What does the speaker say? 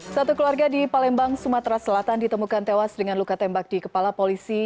satu keluarga di palembang sumatera selatan ditemukan tewas dengan luka tembak di kepala polisi